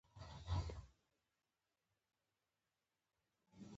کلتور د افغانستان د جغرافیوي تنوع یو څرګند او ډېر ښه مثال دی.